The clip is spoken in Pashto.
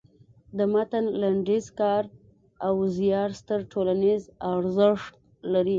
د متن لنډیز کار او زیار ستر ټولنیز ارزښت لري.